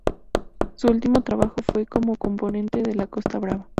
Su último trabajo fue como componente de La Costa Brava.